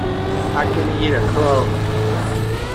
I kin eat a crow!